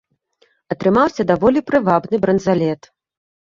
Атрымаўся даволі прывабны бранзалет.